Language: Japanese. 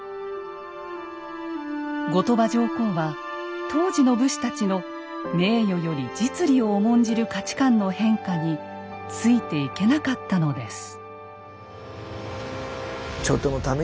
後鳥羽上皇は当時の武士たちの名誉より実利を重んじる価値観の変化についていけなかったのです。